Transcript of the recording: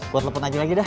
buat lepot aja lagi dah